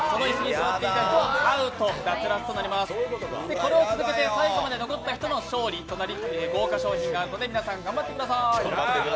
これを続けて最後まで残った人の勝利となり豪華賞品がありますので、皆さん頑張ってください！